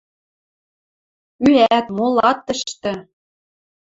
Ӱӓт, молат тӹштӹ.